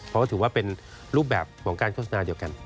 เพราะถือว่าเป็นรูปแบบของการโฆษณาเดียวกัน